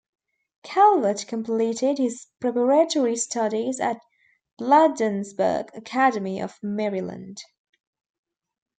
Calvert completed his preparatory studies at Bladensburg Academy of Maryland.